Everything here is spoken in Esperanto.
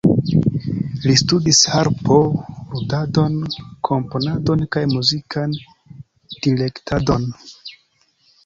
Li studis harpo-ludadon, komponadon kaj muzikan direktadon.